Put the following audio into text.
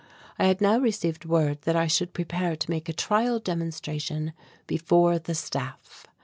I had now received word that I should prepare to make a trial demonstration before the Staff.